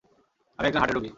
আমি একজন হার্টের রোগী।